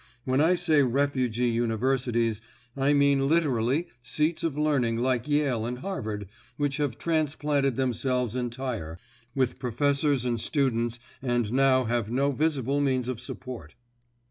When I say refugee universities, I mean literally seats of learning like Yale and Harvard which have transplanted themselves entire, with professors and students and now have no visible means of support.